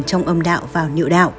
trong âm đạo vào nhiệu đạo